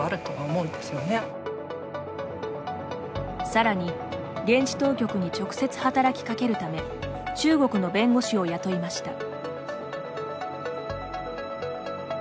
さらに、現地当局に直接働きかけるため中国の弁護士を雇いました。